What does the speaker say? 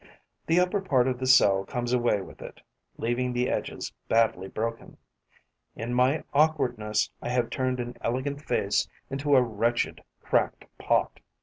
The upper part of the cell comes away with it, leaving the edges badly broken. In my awkwardness, I have turned an elegant vase into a wretched cracked pot.